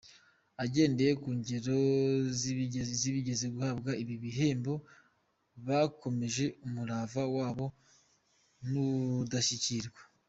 Agendeye ku ngero z’abigeze guhabwa ibi bihembo bakomeje umurava wabo n’ubudashyikirwa.